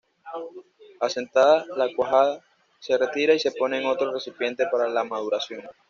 Asentada la cuajada, se retira y se pone en otro recipiente para la maduración.